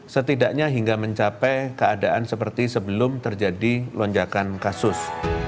setidaknya hingga mencapai keadaan seperti sebelum terjadi lonjakan kasus